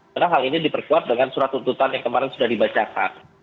karena hal ini diperkuat dengan surat tuntutan yang kemarin sudah dibacakan